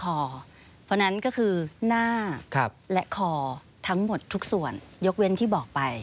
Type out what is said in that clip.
เพราะฉะนั้นก็คือหน้าและคอทั้งหมดทุกส่วนยกเว้นที่บอกไป